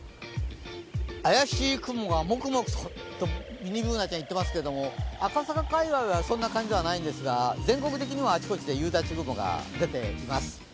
怪しい雲がもくもくとミニＢｏｏｎａちゃん言っていますけど赤坂界わいはそんな感じではないんですが、全国的にはあちこちで夕立雲が出ています。